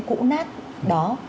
cũ nát đó